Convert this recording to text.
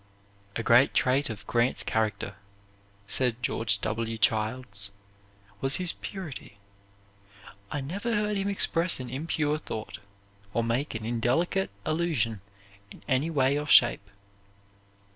"A great trait of Grant's character," said George W. Childs, "was his purity. I never heard him express an impure thought, or make an indelicate allusion in any way or shape.